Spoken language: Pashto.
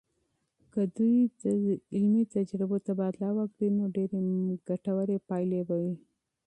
که دوی د علمي تجربو تبادله وکړي، نو ډیرې مفیدې پایلې به وي.